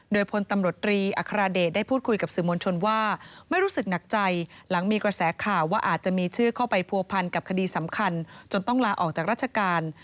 โดยพลตำรวจตรีอัครเดชได้พูดคุยกับสื่อมวลชนว่าไม่รู้สึกหนักใจหลังมีกระแสข่าวว่าอาจจะมีชื่อเข้าไปผัวพันกับคดีสำคัญจนต้องลาออกจากราชการ